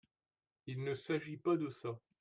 Il ne s’agit pas de ça !…